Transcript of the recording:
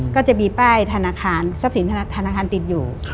ก็จะมีป้ายธนาคารทรัพย์สินธนาคารติดอยู่